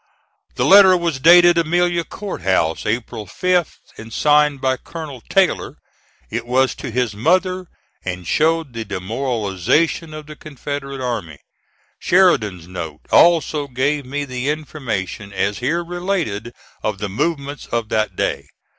The letter was dated Amelia Court House, April 5th, and signed by Colonel Taylor. It was to his mother, and showed the demoralization of the Confederate army. Sheridan's note also gave me the information as here related of the movements of that day.